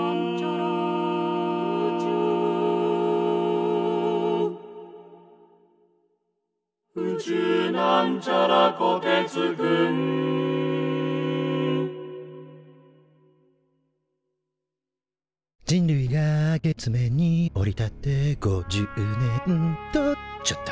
「宇宙」人類が月面に降り立って５０年！とちょっと。